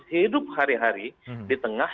hidup hari hari di tengah